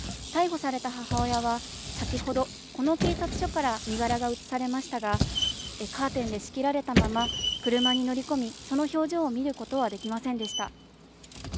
逮捕された母親は先ほど、この警察署から身柄が移されましたがカーテンで仕切られたまま車に乗り込み、その表情を見ることはできませんでした。